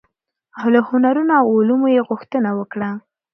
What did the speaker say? او له هنرونو او علومو يې غوښتنه وکړه،